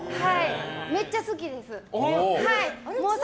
めっちゃ好きです。